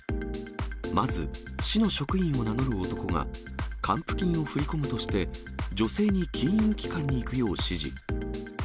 まず市の職員を名乗る男が還付金を振り込むとして、女性に金融機関に行くよう指示。